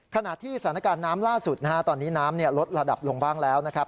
ขณะที่สถานการณ์น้ำล่าสุดนะฮะตอนนี้น้ำลดระดับลงบ้างแล้วนะครับ